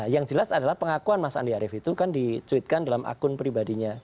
yang jelas adalah pengakuan mas andi arief itu kan dicuitkan dalam akun pribadinya